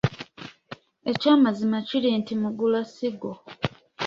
Ekyamazima kiri nti Mugulasigo.